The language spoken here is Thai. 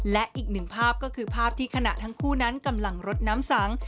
และอีกหนึ่งภาพก็คือภาพที่ขณะทั้งคู่นั้นกำลังรดน้ำสัง